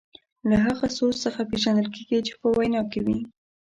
له هغه سوز څخه پېژندل کیږي چې په وینا کې وي.